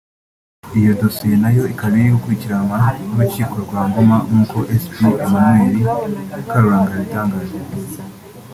Iyo Dosiye nayo ikaba iri gukurikiranwa n’urukiko rwa Ngoma nk’uko Spt Emmanuel karuranga yabitangaje